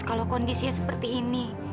kalau kondisinya seperti ini